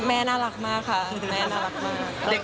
แม่น่ารักมากค่ะแม่น่ารักมาก